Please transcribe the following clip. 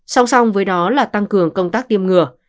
song song với đó là tăng cường công tác tiêm ngừa